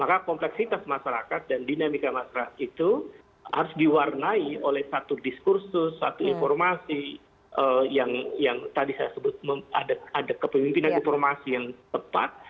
maka kompleksitas masyarakat dan dinamika masyarakat itu harus diwarnai oleh satu diskursus satu informasi yang tadi saya sebut ada kepemimpinan informasi yang tepat